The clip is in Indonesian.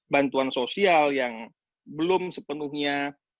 bantuan sosial yang belum sepenuhnya